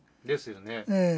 ええ。